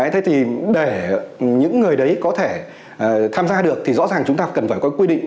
thế thì để những người đấy có thể tham gia được thì rõ ràng chúng ta cần phải có quy định